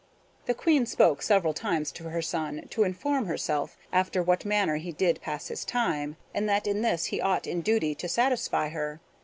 The Queen spoke several times to her son, to inform herself after what manner he did pass his time, and that in this he ought in duty to satisfy her.